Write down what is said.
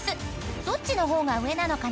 ［どっちの方が上なのかな？